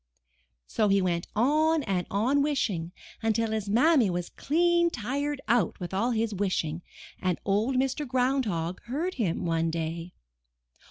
So he went on and on wishing until his Mammy was clean tired out with his wishing and Old Mr. Ground Hog heard him one day.